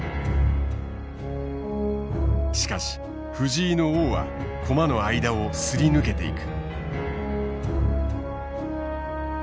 しかし藤井の王は駒の間をすり抜けていく。